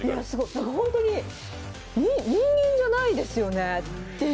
本当に人間じゃないですよねっていう。